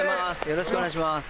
よろしくお願いします。